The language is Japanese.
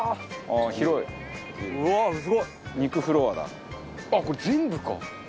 あっこれ全部か。